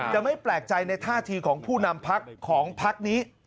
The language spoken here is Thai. ไม่แปลกใจในท่าทีของผู้นำพักของพักนี้